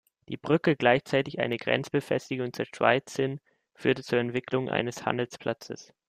Die Brücke, gleichzeitig eine Grenzbefestigung zur Schweiz hin, führte zur Entwicklung eines Handelsplatzes.